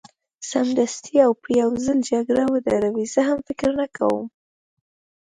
سمدستي او په یو ځل جګړه ودروي، زه هم فکر نه کوم.